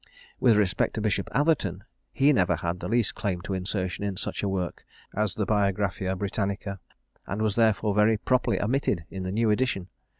"With respect to Bishop Atherton, he never had the least claim to insertion in such a work as the Biographia Britannica, and was therefore very properly omitted in the new edition.